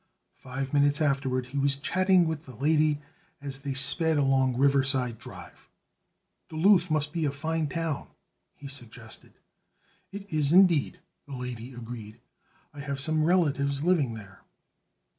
Five minutes afterward he was chatting with the lady as they sped along Riverside Drive. "Duluth must be a fine town," he suggested. "It is indeed," the lady agreed. "I have some relatives living there."